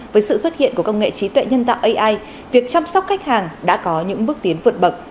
với sự xuất hiện của công nghệ trí tuệ nhân tạo ai việc chăm sóc khách hàng đã có những bước tiến vượt bậc